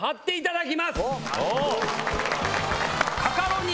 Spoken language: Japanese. カカロニ！